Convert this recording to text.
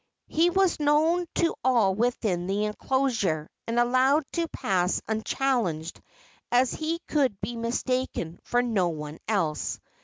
He was known to all within the enclosure, and allowed to pass unchallenged, as he could be mistaken for no one else.